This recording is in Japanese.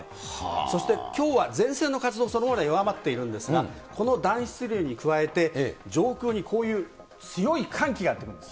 そして、きょうは前線の活動そのものは弱まっているんですが、この暖湿流に加えて、上空にこういう強い寒気がやって来るんです。